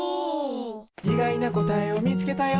「いがいなこたえをみつけたよ！